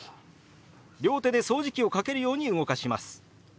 両手で掃除機をかけるように動かします。